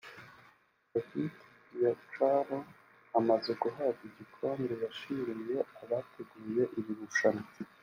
Davite Giancarlo amaze guhabwa igikombe yashimiye abateguye iri rushanwa